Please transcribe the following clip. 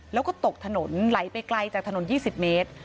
แล้วก็ตกถนนไหลไปไกลจากถนน๒๐เมตร